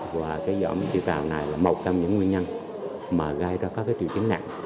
và cái dõm tiểu cào này là một trong những nguyên nhân mà gây ra các triệu chứng nặng